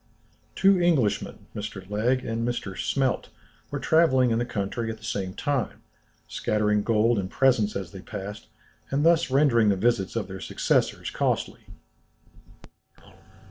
Two Englishmen, Mr. Legh and Mr. Smelt, were travelling in the country at the same time, scattering gold and presents as they passed, and thus rendering the visits of their successors costly.